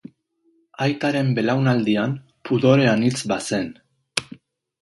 Aitaren belaunaldian, pudore anitz bazen.